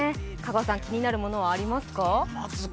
気になるもの、ありますか？